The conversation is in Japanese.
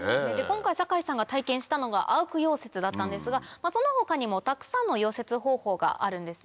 今回酒井さんが体験したのがアーク溶接だったんですがその他にもたくさんの溶接方法があるんですね。